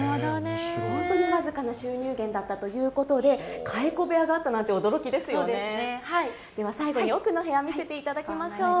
本当に僅かな収入源だったということで蚕部屋があったなんて驚きですよね、最後に奥の部屋見せていただきましょう。